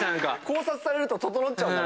考察されると整っちゃうんだ。